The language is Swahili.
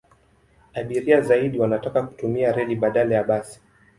Abiria zaidi wanataka kutumia reli badala ya basi.